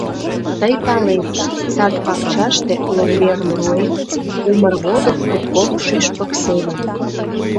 Тый палет: сад-пакчаште ломберым руэн, Умыр водын от кол шӱшпык семым.